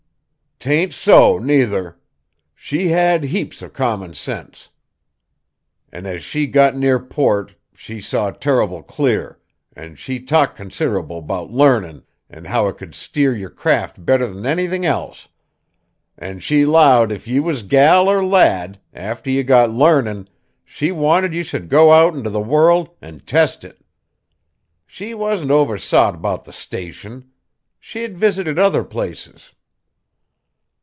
"'T ain't so, nuther! She had heaps of common sense, an' as she got near port, she saw turrible clear, an' she talked considerable 'bout larnin', an' how it could steer yer craft better than anythin' else; an' she 'lowed if ye was gal or lad, after ye got larnin', she wanted ye should go out int' the world an' test it. She wasn't over sot 'bout the Station. She'd visited other places."